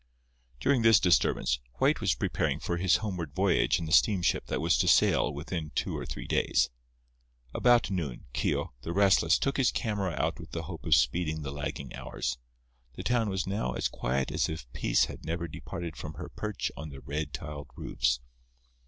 During this disturbance, White was preparing for his homeward voyage in the steamship that was to sail within two or three days. About noon, Keogh, the restless, took his camera out with the hope of speeding the lagging hours. The town was now as quiet as if peace had never departed from her perch on the red tiled roofs.